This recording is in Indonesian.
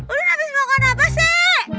olin abis makan apa sek